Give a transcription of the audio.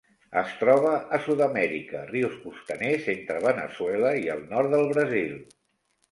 Es troba a Sud-amèrica: rius costaners entre Veneçuela i el nord del Brasil.